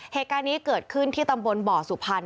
เหตุการณ์นี้เกิดขึ้นที่ตำบลบ่อสุพรรณ